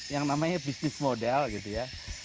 yang namanya bisnis model gitu ya